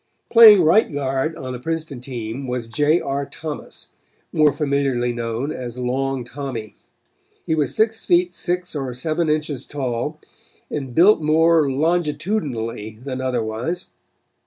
Playing right guard on the Princeton team was J. R. Thomas, more familiarly known as Long Tommy. He was six feet six or seven inches tall and built more longitudinally than otherwise.